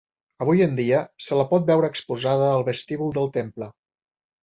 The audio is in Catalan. Avui en dia se la pot veure exposada al vestíbul del temple.